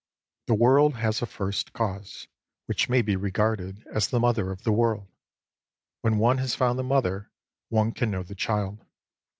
The World has a First Cause, which may be re garded as the Mother of the World. When one has found the Mother, one can know the Child.